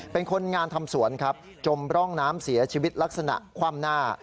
เป็นคนงานทำสวนครับจมร่องน้ำเสียชีวิตลักษณะคว่ำหน้า